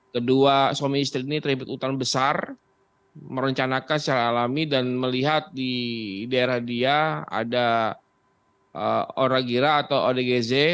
kedua suami istri ini tribut utang besar merencanakan secara alami dan melihat di daerah dia ada oragira atau odgz